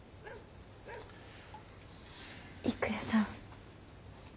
郁弥さん。